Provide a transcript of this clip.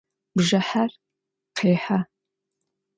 Бжыхьэр къехьэ.